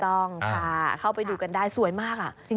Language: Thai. ต้องค่ะเข้าไปดูกันได้สวยมาก